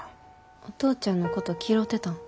お父ちゃんのこと嫌うてたん？